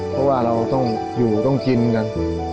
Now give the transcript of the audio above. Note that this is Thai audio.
เพราะว่าเราต้องอยู่ต้องกินกัน